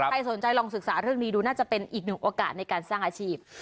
ใครสนใจลองศึกษาเรื่องนี้ดูน่าจะเป็นอีกหนึ่งโอกาสในการสร้างอาชีพ